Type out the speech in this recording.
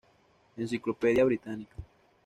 Encyclopædia Britannica